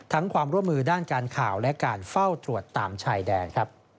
ความร่วมมือด้านการข่าวและการเฝ้าตรวจตามชายแดน